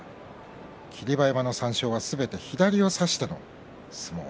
霧馬山の３勝はすべて左を差しての相撲。